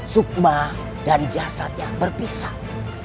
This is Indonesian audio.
sukma dan jasadnya berpisah